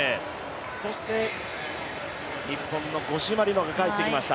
そして日本の五島莉乃が帰ってきました。